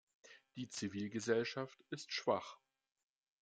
Die Zivilgesellschaft ist schwach.